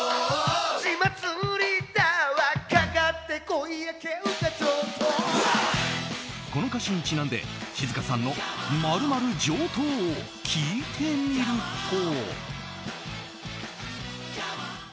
この歌詞にちなんで、静香さんの○○上等を聞いてみると。